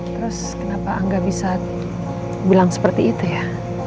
terus kenapa angga bisa bilang seperti itu ya